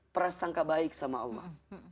prasangka baik sama allah